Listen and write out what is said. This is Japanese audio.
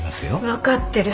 分かってる。